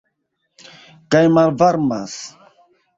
Kaj malvarmas.